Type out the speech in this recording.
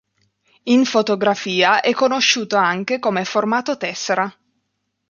In fotografia è conosciuto anche come "formato tessera".